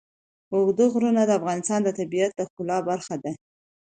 اوږده غرونه د افغانستان د طبیعت د ښکلا برخه ده.